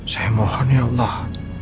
saya mohon ya allah